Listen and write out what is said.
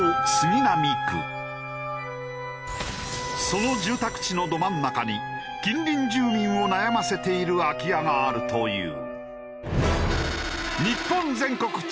その住宅地のど真ん中に近隣住民を悩ませている空き家があるという。